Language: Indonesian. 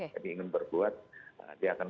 jadi ingin berbuat dia akan